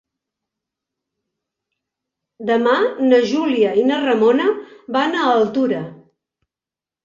Demà na Júlia i na Ramona van a Altura.